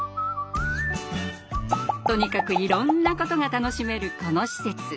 とにかくいろんなことが楽しめるこの施設。